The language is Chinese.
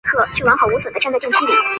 适用于大多企业。